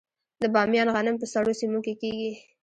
د بامیان غنم په سړو سیمو کې کیږي.